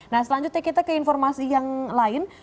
nah selanjutnya kita ke informasi yang lain